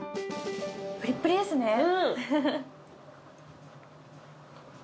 プリップリですね。